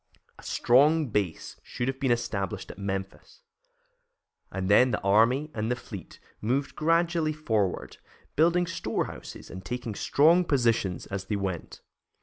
A strong base should have been established at Memphis, and then the army and the fleet moved gradually forward, building storehouses and taking strong positions as they went.